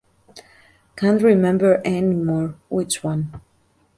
Can’t remember anymore which one.